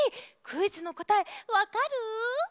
クイズのこたえわかる？